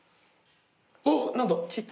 おっ何だ？